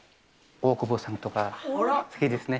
大久保さんとか好きですね。